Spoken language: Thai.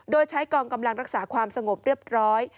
โดยใช้กองกำลังรักษาความสงบเรียบร้อย